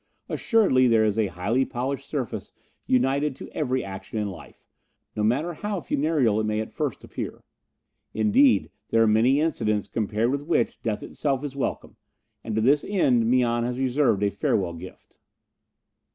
Assuredly there is a highly polished surface united to every action in life, no matter how funereal it may at first appear. Indeed, there are many incidents compared with which death itself is welcome, and to this end Mian has reserved a farewell gift."